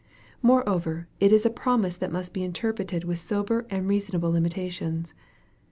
More over it is a promise that must be interpreted with sober and reasona ble limitations.